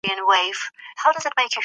زه له خپلو ملګرو سره صادق یم.